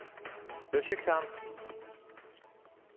良幸さん。